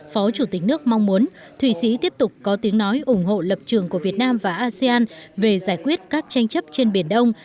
phó chủ tịch nước mong muốn thụy sĩ tiếp tục có tiếng nói ủng hộ lập trường của việt nam và asean về giải quyết các tranh chấp trên biển đông